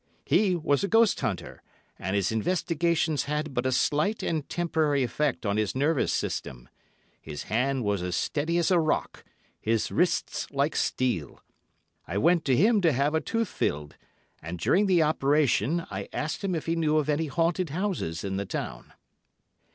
He was a ghost hunter, and his investigations had but a slight and temporary effect on his nervous system. His hand was as steady as a rock, his wrists like steel. I went to him to have a tooth filled, and during the operation I asked him if he knew of any haunted houses in the town.